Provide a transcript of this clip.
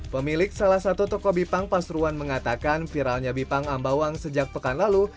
pemilik salah satu toko bipang pasuruan mengatakan viralnya bipang ambawang sejak pekan lalu